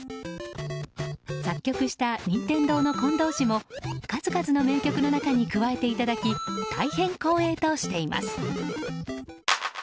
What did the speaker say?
作曲した、任天堂の近藤氏も数々の名曲の中に加えていただき大変光栄としています。